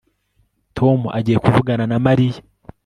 Tom agiye kuvugana na Mariya